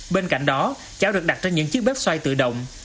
bên cạnh đó cháo được đặt trên những chiếc bếp xoay tự động